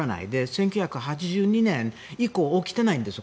１９８２年以降起きてないんです